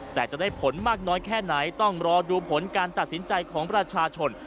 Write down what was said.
แต่จะได้ผลมากน้อยแค่ไหนต้องรอดูผลการตัดสินใจของประชาชน